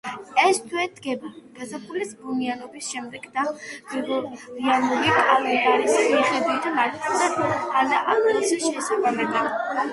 ეს თვე დგება გაზაფხულის ბუნიაობის შემდეგ და გრიგორიანული კალენდარის მიხედვით მარტს ან აპრილს შეესაბამება.